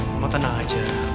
ternyata enak aja